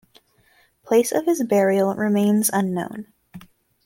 Place of his burial remains unknown.